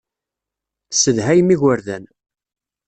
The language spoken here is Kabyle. Tessedhayem igerdan.